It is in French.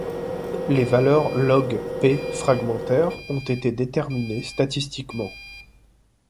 Les valeurs logP fragmentaires ont été déterminées statistiquement.